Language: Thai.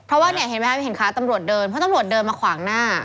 เพราะว่าเนี่ยเห็นไหมครับเห็นขาตำรวจเดินเพราะตำรวจเดินมาขวางหน้า